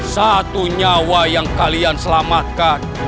satu nyawa yang kalian selamatkan